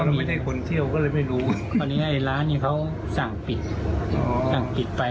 มันไม่ใช่คนเที่ยวก็เลยไม่รู้ตอนนี้ไอ้ร้านนี้เขาสั่งปิดสั่งปิดไป